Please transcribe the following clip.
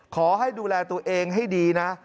ขอให้ดูแลตัวเองให้ดีนะ